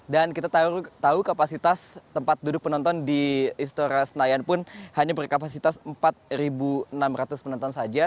dan kita tahu kapasitas tempat duduk penonton di istora senayan pun hanya berkapasitas empat enam ratus penonton saja